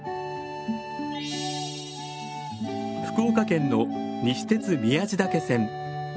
福岡県の西鉄宮地岳線。